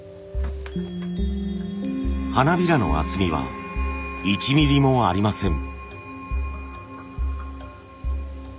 花びらの厚みは１ミリもありません。